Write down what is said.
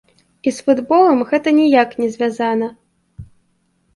І з футболам гэта ніяк не звязана.